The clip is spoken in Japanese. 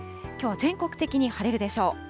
きょうは全国的に晴れるでしょう。